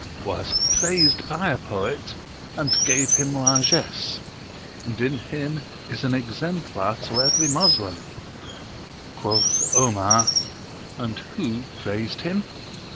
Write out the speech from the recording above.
_) was praised by a poet, and gave him largesse and in him is an exemplar to every Moslem." Quoth Omar, "And who praised him?"